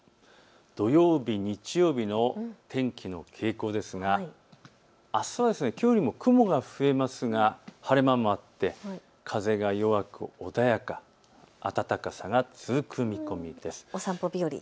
土曜日日曜日の天気の傾向ですが、あすはきょうよりも雲が増えますが晴れ間もあって風が弱く穏やか、暖かさが続く見込みです。